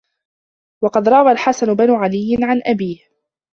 وَقَدْ رَوَى الْحَسَنُ بْنُ عَلِيٍّ عَنْ أَبِيهِ